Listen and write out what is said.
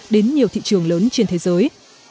đến nhiều thị trường lớn trên thế giới